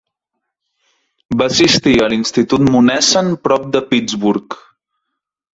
Va assistir a l'Institut Monessen prop de Pittsburgh.